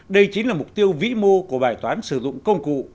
đây chính là mục tiêu vĩ mô của bài toán sử dụng công cụ